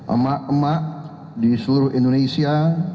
emak emak di seluruh indonesia